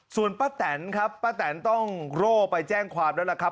ส่วนป้าแตนครับป้าแตนต้องโร่ไปแจ้งความแล้วล่ะครับ